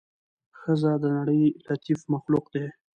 ښځه د نړۍ لطيف مخلوق دې